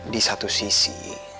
di satu sisi